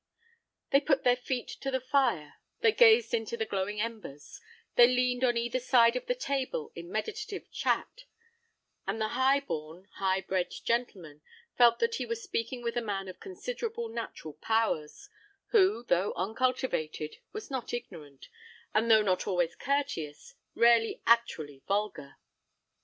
They put their feet to the fire, they gazed into the glowing embers; they leaned on either side of the table in meditative chat, and the high born, high bred gentleman felt that he was speaking with a man of considerable natural powers, who, though uncultivated, was not ignorant, and though not always courteous, rarely actually vulgar.